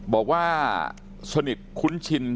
บอกว่าสนิทคุ้นชิน